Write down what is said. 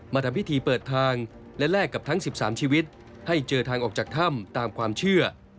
ทำพิธีเปิดทางและแลกกับทั้ง๑๓ชีวิตให้เจอทางออกจากถ้ำตามความเชื่อ